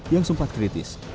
yang sempat kritis